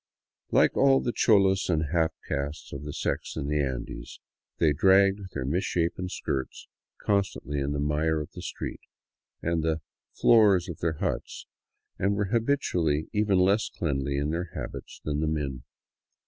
Like all the cholas and half castes of the sex in the Andes, they dragged their mis shapen skirts constantly in the mire of the streets and the " floors " of their huts, and were habitually even less cleanly in their habits than the men.